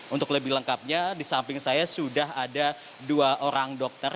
untuk lebih lengkapnya di samping saya sudah ada dua orang dokter